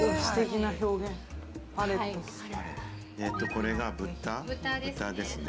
これが豚？ですね。